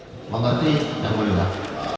mengerti yang boleh